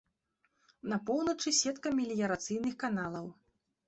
На поўначы сетка меліярацыйных каналаў.